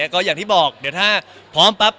ก็อย่างที่บอกเดี๋ยวถ้าพร้อมปั๊บ